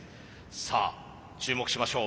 さあ注目しましょう。